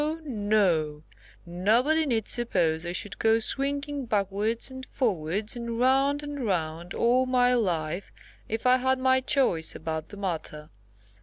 Nobody need suppose I should go swinging backwards and forwards, and round and round, all my life, if I had my choice about the matter.